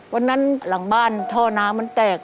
วันนั้นหลังบ้านท่อน้ำมันแตก